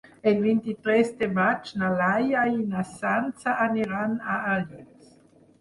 El vint-i-tres de maig na Laia i na Sança aniran a Alins.